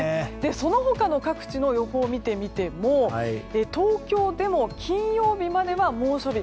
その他の各地の予報を見てみても東京でも金曜日までは猛暑日。